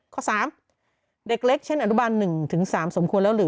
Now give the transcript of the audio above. ข้อ๓เด็กเล็กเช่นอนุบัน๑๓สมควรแล้วหรือ